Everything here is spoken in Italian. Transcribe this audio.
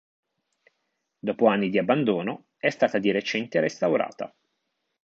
Dopo anni di abbandono è stata di recente restaurata.